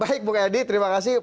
baik bukayadi terima kasih